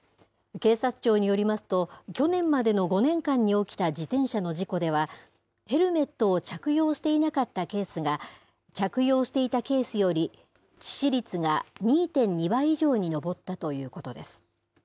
警察庁によりますと、去年までの５年間に起きた自転車の事故では、ヘルメットを着用していなかったケースが、着用していたケースより、致死率が２．２倍以上に上ったということです。